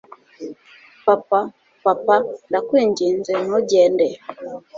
papa, papa, ndakwinginze ntugende